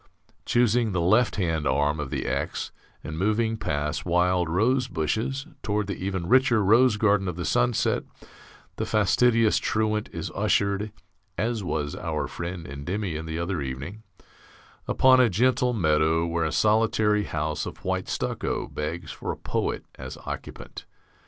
Choosing the left hand arm of the X, and moving past wild rose bushes toward the even richer rose garden of the sunset, the fastidious truant is ushered (as was our friend Endymion the other evening) upon a gentle meadow where a solitary house of white stucco begs for a poet as occupant.